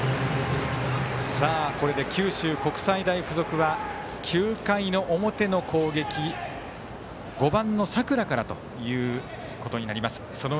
これで九州国際大付属は９回の表の攻撃５番の佐倉からということになります。